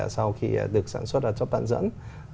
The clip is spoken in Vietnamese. sau khi được sản xuất cho bản dẫn